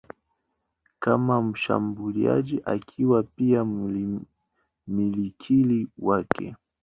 kama mshambuliaji akiwa pia mmiliki wake.